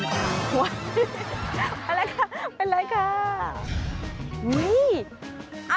เป็นไรคะ